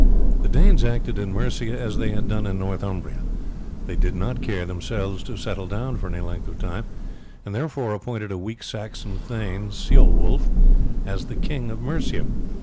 The Danes acted in Mercia as they had done in Northumbria. They did not care, themselves, to settle down for any length of time, and therefore appointed a weak Saxon thane, Ceolwulf, as the King of Mercia.